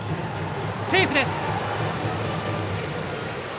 セーフです。